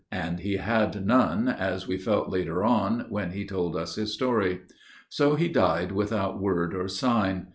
And he had none, As we felt later on, when he told us his story. So he died without word or sign.